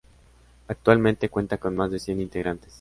Actualmente cuenta con más de cien integrantes.